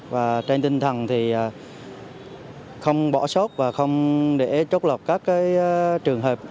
và trên tinh thần thì không bỏ sốt và không để trốt lọc các trường hợp